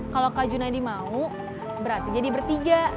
kalau kak junaidi mau berarti jadi bertiga